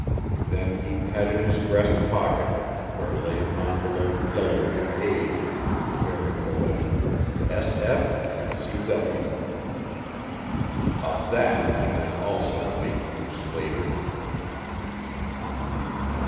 Then he patted his breast pocket, where lay an envelope yellowed with age, bearing the legend "S. F. & C. W." Of that he meant also to make use later.